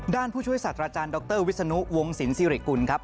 ด้านผู้ช่วยศัตริย์อาจารย์ดรวิศนุวงศิลป์ซิริกุลครับ